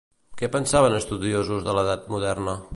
Què pensaven estudiosos de l'edat moderna?